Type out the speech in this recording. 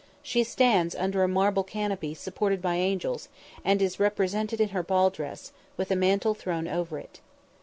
She stands under a marble canopy supported by angels, and is represented in her ball dress, with a mantle thrown over it.